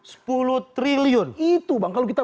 sepuluh triliun itu bang kalau kita